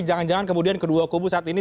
jangan jangan kemudian kedua kubu saat ini